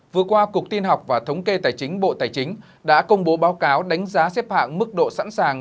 vừa qua cục tin học và thống kê tài chính bộ tài chính đã công bố báo cáo đánh giá xếp hạng mức độ sẵn sàng